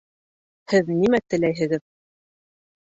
Һеҙ нимә теләйһегеҙ?